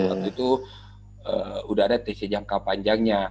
waktu itu sudah ada tc jangka panjangnya